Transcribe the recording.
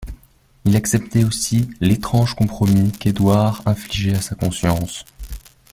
Il acceptait aussi l'étrange compromis qu'Édouard infligeait à sa conscience.